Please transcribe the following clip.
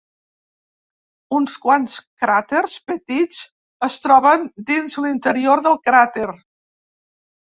Uns quants cràters petits es troben dins l'interior del cràter.